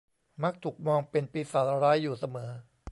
มักถูกมองเป็นปีศาจร้ายอยู่เสมอ